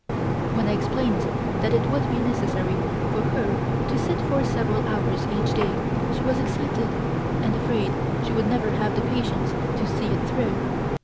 When I explained that it would be necessary for her to sit for several hours each day she was excited, and afraid she would never have the patience to see it through.